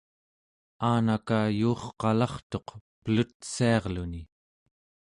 aanaka yuurqalartuq pelutsiarluni